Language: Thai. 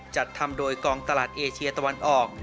จัดทำโดยกองตลาดเอเชียตะวันออก